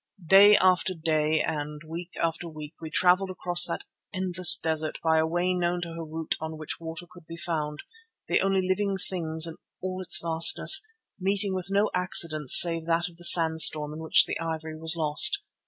Day after day and week after week we travelled across that endless desert by a way known to Harût on which water could be found, the only living things in all its vastness, meeting with no accidents save that of the sandstorm in which the ivory was lost.